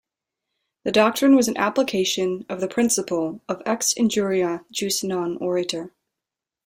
The doctrine was an application of the principle of "ex injuria jus non oritur".